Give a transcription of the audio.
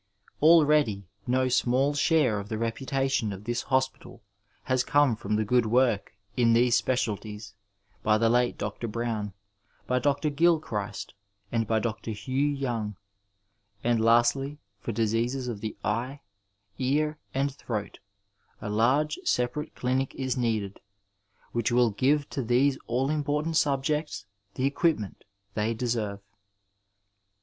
Already no small share of the reputation of this hospital has come from the good work in these specialities by the late Dr. Brown, by Dr. Gilchrist, and by Dr. Hugh Young ; and lastly, for diseases of the eye, ear, and throat, a large separate clinic is needed, which will give to these all important subjects the equipment they deserve.